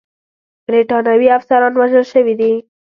برټانوي افسران وژل شوي دي.